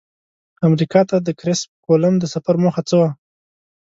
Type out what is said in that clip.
امریکا ته د کرسف کولمب د سفر موخه څه وه؟